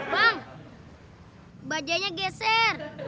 bang bajanya geser